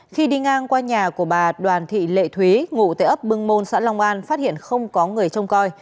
khi đi ngang qua nhà của bà đoàn thị lệ thúy ngủ tại ấp bưng môn xã long an phát hiện không có người trông coi